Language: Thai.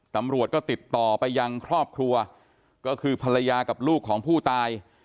ตำรวจก็ติดต่อไปยังครอบครัวก็คือภรรยากับลูกของผู้ตาย